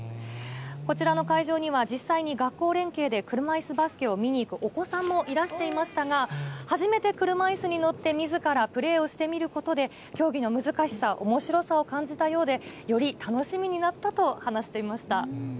こちらの会場には、実際に学校連携で車いすバスケを見に行くお子さんもいらしていましたが、初めて車いすに乗って、みずからプレーをしてみることで、競技の難しさ、おもしろさを感じたようで、より楽しみになったと話していました。